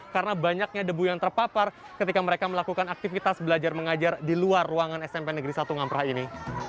karena banyaknya debu yang terpapar ketika mereka melakukan aktivitas belajar mengajar di luar ruangan smp negeri satu ngamra ini